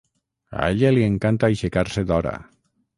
A ella li encanta aixecar-se d'hora.